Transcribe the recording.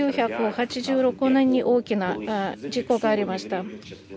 １９８６年に大きな事故がありました。